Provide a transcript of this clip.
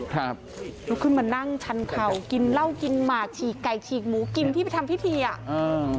ครับลุกขึ้นมานั่งชันเข่ากินเหล้ากินหมากฉีกไก่ฉีกหมูกินที่ไปทำพิธีอ่ะอืม